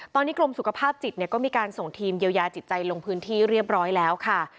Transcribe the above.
ตอนนี้กรมสุขภาพจิตก็มีการส่งทีมเยียวยาจิตใจลงพื้นที่เรียบร้อยแล้วค่ะ